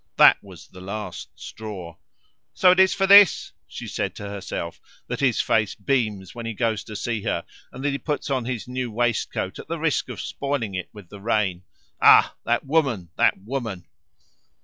That was the last straw. "So it is for this," she said to herself, "that his face beams when he goes to see her, and that he puts on his new waistcoat at the risk of spoiling it with the rain. Ah! that woman! That woman!"